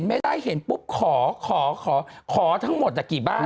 ไม่เห็นปุ๊บขอขอขอขอขอทั้งหมดจากกี่บ้าน